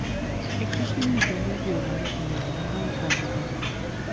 Existen millones de hogares en el mundo desarrollado.